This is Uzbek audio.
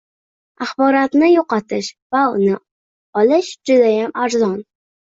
Axborotni yoʻqotish va uni olish judayam arzon.